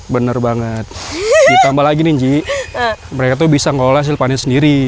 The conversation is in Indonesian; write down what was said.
bener banget ditambah lagi nih nji mereka tuh bisa mengolah hasil panen sendiri